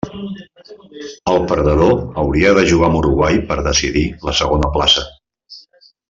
El perdedor hauria de jugar amb Uruguai per decidir la segona plaça.